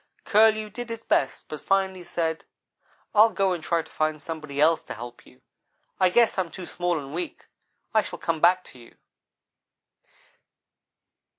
"Curlew did his best but finally said: 'I'll go and try to find somebody else to help you. I guess I am too small and weak. I shall come back to you.'